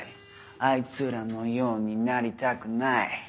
あいつらのようになりたくない